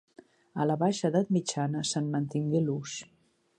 A la baixa edat mitjana, se'n mantingué l'ús.